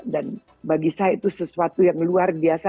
bagi saya itu sesuatu yang luar biasa